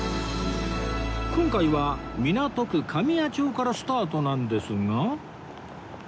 今回は港区神谷町からスタートなんですが